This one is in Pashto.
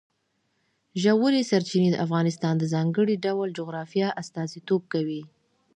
ژورې سرچینې د افغانستان د ځانګړي ډول جغرافیه استازیتوب کوي.